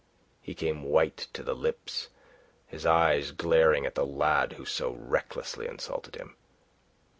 He came white to the lips, his eyes glaring at the lad who so recklessly insulted him.